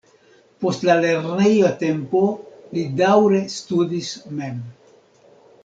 Post la lerneja tempo li daŭre studis mem.